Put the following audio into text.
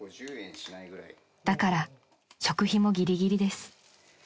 ［だから食費もギリギリです］